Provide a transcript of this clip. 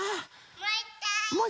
・もういっかい。